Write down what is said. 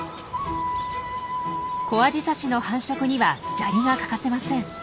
コアジサシの繁殖には砂利が欠かせません。